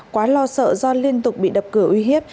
quá lo sợ do liên tục bị đập cửa uy hiếp